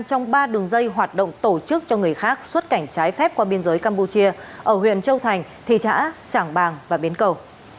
trong ba đường dây hoạt động tổ chức cho người khác xuất cảnh trái phép qua biên giới campuchia ở huyện châu thành thị xã trảng bàng và biến cầu